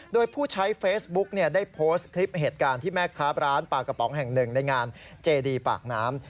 โดยผู้ใช้เฟซบุ๊กได้โพสต์คลิปเหตุการณ์ที่แม่ค้าร้านปลากระป๋องแห่งหนึ่งในงานเจดีปากน้ำ